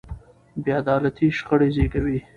بې عدالتي شخړې زېږوي